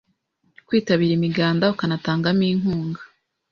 kwitabira imiganda ukanatangamo inkunga